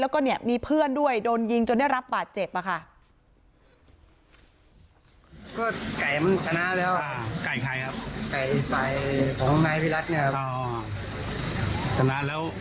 แล้วก็มีเพื่อนด้วยโดนยิงจนรับบาดเจ็บค่ะ